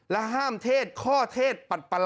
และห้ามเทศข้อเทศ